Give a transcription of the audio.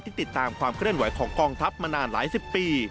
ติดตามความเคลื่อนไหวของกองทัพมานานหลายสิบปี